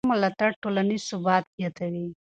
د ماشوم ملاتړ ټولنیز ثبات زیاتوي.